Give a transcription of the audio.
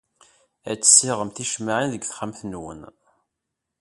Ad tessiɣem ticemmaɛin deg texxamt-nwen.